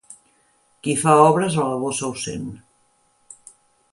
Qui fa obres a la bossa ho sent.